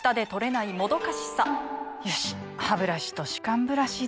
よしハブラシと歯間ブラシでと。